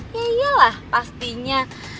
ya iyalah pastinya